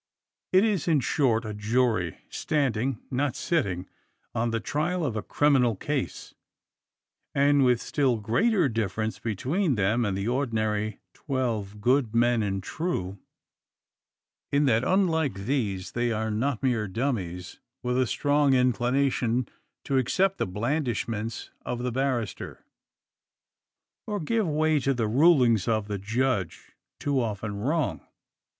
It is, in short, a jury, standing, not sitting, on the trial of a criminal case; and, with still greater difference between them and the ordinary "twelve good men and true," in that, unlike these, they are not mere dummies, with a strong inclination to accept the blandishments of the barrister, or give way to the rulings of the judge, too often wrong.